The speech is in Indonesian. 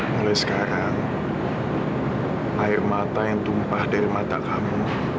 mulai sekarang air mata yang tumpah dari mata kamu